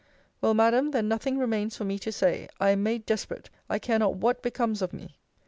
Well, Madam, then nothing remains for me to say. I am made desperate. I care not what becomes of me.